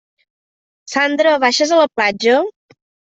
Sandra, baixes a la platja?